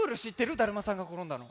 「だるまさんがころんだ」の。